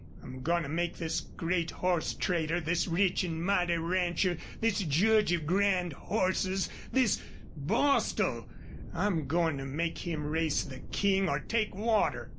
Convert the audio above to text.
I'm goin' to make this great horse trader, this rich an' mighty rancher, this judge of grand horses, this BOSTIL! ... I'm goin' to make him race the King or take water!"